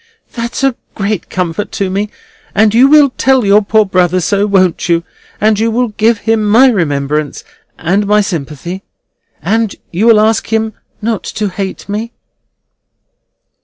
"That's a great comfort to me! And you will tell your poor brother so, won't you? And you will give him my remembrance and my sympathy? And you will ask him not to hate me?"